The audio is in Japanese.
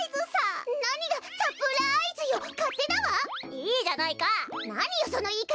いいじゃないか！